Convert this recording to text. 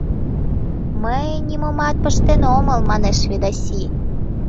— Мый нимомат пыштен омыл, — манеш Ведаси.